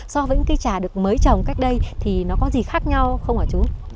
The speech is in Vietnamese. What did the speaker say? so với những cây trà được mới trồng cách đây thì nó có gì khác nhau không hả chú